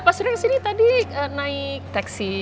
pak surya yang sini tadi naik teksi